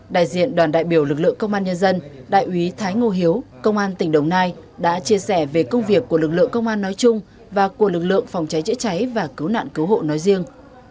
đại diện đoàn đại biểu lực lượng công an nhân dân đại úy thái ngô hiếu công an tỉnh đồng nai đã chia sẻ về công việc của lực lượng công an nói chung và của lực lượng phòng cháy chữa cháy và cứu nạn cứu hộ nói riêng